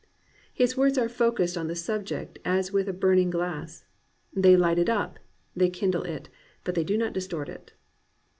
His words are focussed on the object as with a burning glass. They light it up; they kindle it; but they do not distort it.